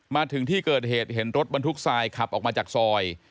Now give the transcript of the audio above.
มาถึงที่เกิดเหตุเห็นรถบรรทุกทรายขับออกมาจากซอย